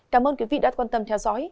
cảm ơn quý vị đã quan tâm theo dõi